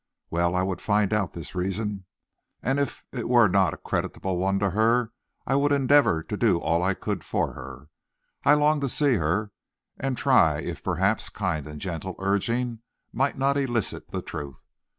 Well, I would find out this reason, and if it were not a creditable one to her, I would still endeavor to do all I could for her. I longed to see her, and try if perhaps kind and gentle urging might not elicit the truth.